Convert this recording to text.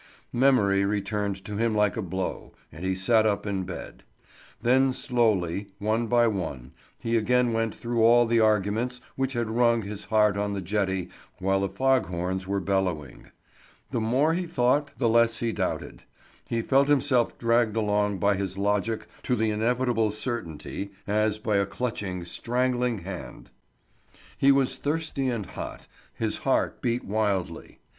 Memory returned to him like a blow, and he sat up in bed. Then slowly, one by one, he again went through all the arguments which had wrung his heart on the jetty while the fog horns were bellowing. The more he thought the less he doubted. He felt himself dragged along by his logic to the inevitable certainty, as by a clutching, strangling hand. He was thirsty and hot, his heart beat wildly.